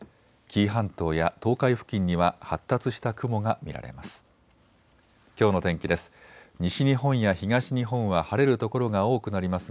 紀伊半島や東海付近には発達した雲が見られます。